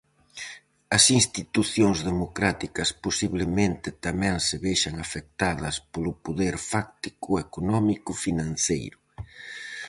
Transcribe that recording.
As institucións democráticas posiblemente tamén se vexan afectadas polo poder fáctico económico-financeiro.